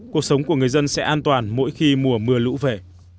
cuộc sống của người dân sẽ an toàn mỗi khi mùa mưa lũ về